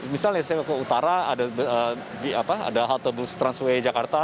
misalnya saya ke utara ada halte bus transway jakarta